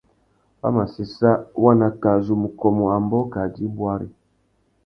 Wa mà séssa waná kā zu mù kômô ambōh kā djï bwari.